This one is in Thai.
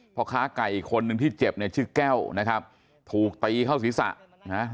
พ่อค้าไก่อีกคนนึงที่เจ็บเนี่ยชื่อแก้วนะครับถูกตีเข้าศีรษะนะฮะ